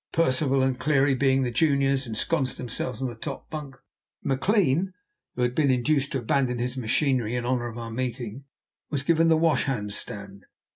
Percival and Cleary, being the juniors, ensconced themselves on the top bunk; Maclean (who had been induced to abandon his machinery in honour of our meeting) was given the washhand stand.